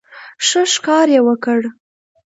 ښه ښکار یې وکړ.